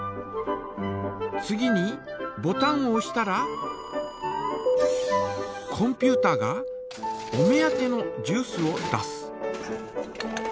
次にボタンをおしたらコンピュータがお目当てのジュースを出す。